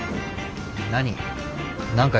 何？